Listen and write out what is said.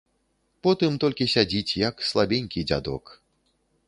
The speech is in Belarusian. Потым толькі сядзіць, як слабенькі дзядок.